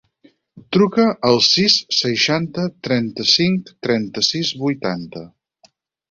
Truca al sis, seixanta, trenta-cinc, trenta-sis, vuitanta.